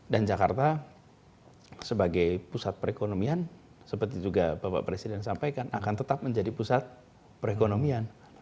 dan jakarta sebagai pusat perekonomian seperti juga bapak presiden sampaikan akan tetap menjadi pusat perekonomian